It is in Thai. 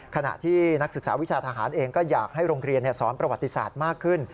ขณะที่นักศึกษาวิชาทหารเองก็อยากให้โรงเรียนสอนประวัติศาสตร์มากขึ้น